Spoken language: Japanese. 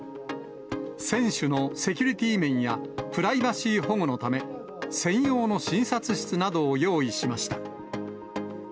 選手のセキュリティー面やプライバシー保護のため、専用の診察室などを用意しました。